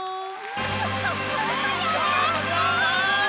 やったち！